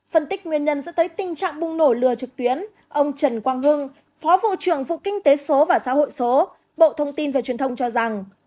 phân tích nguyên nhân dẫn tới tình trạng bùng nổ lừa trực tuyến ông trần quang hưng phó vụ trưởng vụ kinh tế số và xã hội số bộ thông tin và truyền thông cho rằng